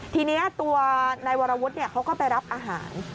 ทีนี้ตัวนายวรวุฒิเขาก็ไปรับอาหาร